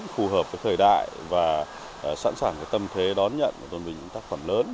phù hợp với thời đại và sẵn sàng tâm thế đón nhận của tổng bình những tác phẩm lớn